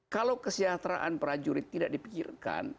kalau kesejahteraan prajurit tidak dipikirkan